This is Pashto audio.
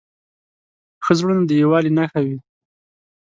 ښه زړونه د یووالي نښه وي.